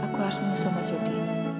aku harus menolong mas udi